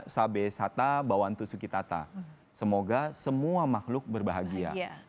semoga semua makhluk berbahagia